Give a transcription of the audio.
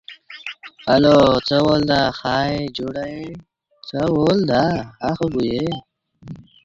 څه وخت خصوصي سکتور د ماشومانو خوراک هیواد ته راوړي؟